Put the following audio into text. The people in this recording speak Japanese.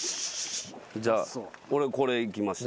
じゃ俺これいきましたし。